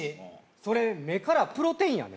それ目からプロテインやね